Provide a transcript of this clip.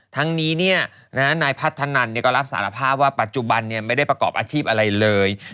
ทั้งนี้นายพัฒนันก็รับสารภาพว่าปัจจุบันไม่ได้ประกอบอาชีพอะไรเลย